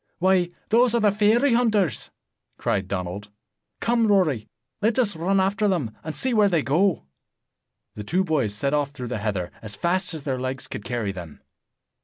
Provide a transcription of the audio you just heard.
"Why, those are the fairy hunters!" cried Donald. "Come, Rory, let us run after them, and see where they go." The two boys set off through the heather, as fast as their legs could carry them.